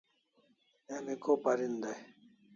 Emi ko parin dai?